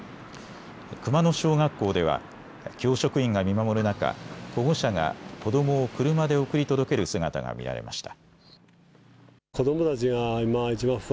熊野小学校では教職員が見守る中、保護者が子どもを車で送り届ける姿が見られました。